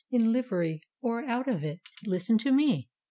In livery or out of it, listen to me!